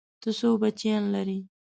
ته څو بچيان لرې؟